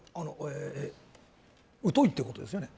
疎いってことですよね？